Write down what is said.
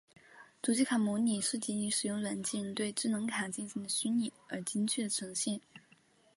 主机卡模拟是仅仅使用软件对智能卡进行的虚拟而精确的呈现。